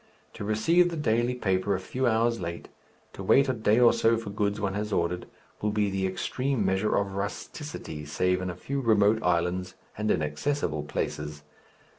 To receive the daily paper a few hours late, to wait a day or so for goods one has ordered, will be the extreme measure of rusticity save in a few remote islands and inaccessible places.